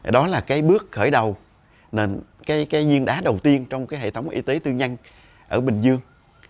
đó là cái bước khởi đầu cái giêng đá đầu tiên trong cái hệ thống y tế tư nhân ở bình dương